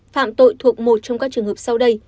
phạm tội thuộc một trong các trường hợp sau đây